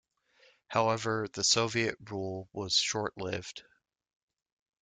However, the Soviet rule was short-lived.